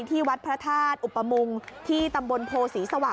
ที่วัดพระธาตุอุปมงที่ตำบลโพศรีสวรร